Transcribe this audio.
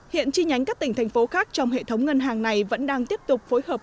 hiện chi nhánh các tỉnh thành phố khác trong hệ thống ngân hàng này vẫn đang tiếp tục phối hợp